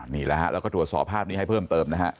นี่แหละฮะแล้วก็ตรวจสอบภาพนี้ให้เพิ่มเติมนะฮะ